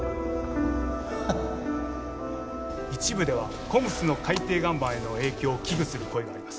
一部ではＣＯＭＳの海底岩盤への影響を危惧する声があります